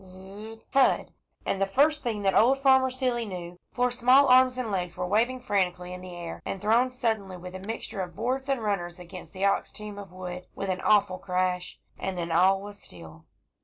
Z z rr thud! and the first thing that old Farmer Seeley knew, four small arms and legs were waving frantically in the air, and thrown suddenly, with a mixture of boards and runners, against the ox team of wood, with an awful crash; and then all was still.